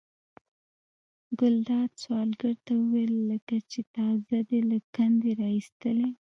ګلداد سوداګر ته وویل لکه چې تازه دې له کندې را ایستلي.